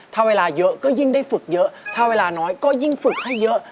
ถ้าเวลาเยอะก็ยิ่งได้ฝึกเยอะถ้าเวลาน้อยก็ยิ่งฝึกให้เยอะ